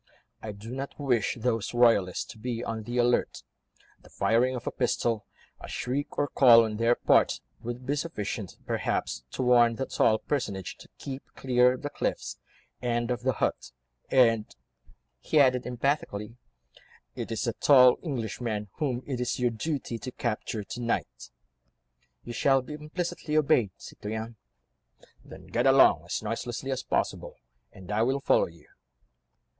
I do not wish those royalists to be on the alert—the firing of a pistol, a shriek or call on their part would be sufficient, perhaps, to warn the tall personage to keep clear of the cliffs, and of the hut, and," he added emphatically, "it is the tall Englishman whom it is your duty to capture to night." "You shall be implicitly obeyed, citoyen." "Then get along as noiselessly as possible, and I will follow you."